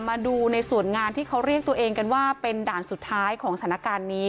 มาดูในส่วนงานที่เขาเรียกตัวเองกันว่าเป็นด่านสุดท้ายของสถานการณ์นี้